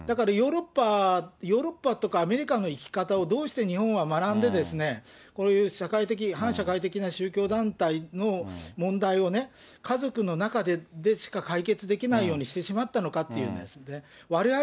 だからヨーロッパとかアメリカの生き方をどうして日本は学んで、こういう社会的、反社会的な宗教団体の問題をね、家族の中ででしか解決できないようにしてしまったのか。